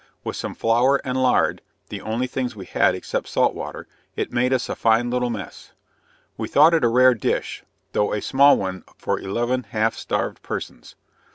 With some flour and lard, (the only things we had except salt water,) it made us a fine little mess. We thought it a rare dish, though a small one for eleven half starved persons.